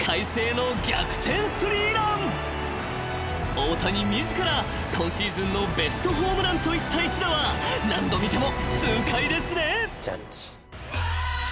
［大谷自ら今シーズンのベストホームランと言った一打は何度見ても痛快ですね］